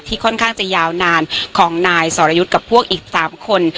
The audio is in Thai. ค่อนข้างจะยาวนานของนายสรยุทธ์กับพวกอีก๓คน